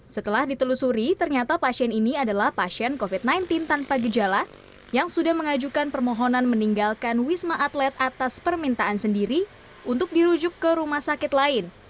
setelah ditelusuri ternyata pasien ini adalah pasien covid sembilan belas tanpa gejala yang sudah mengajukan permohonan meninggalkan wisma atlet atas permintaan sendiri untuk dirujuk ke rumah sakit lain